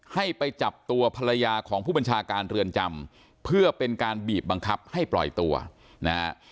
ให้ไปจับตัวภรรยาของผู้บัญชาการเรือนจำเพื่อเป็นการบีบบังคับให้ปล่อยตัวนะฮะ